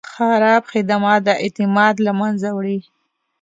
خراب خدمت د اعتماد له منځه وړی شي.